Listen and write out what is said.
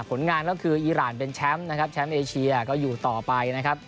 ผลงานก็คืออีรานเป็นแชมป์แชมป์เอเชียก็อยู่ต่อไป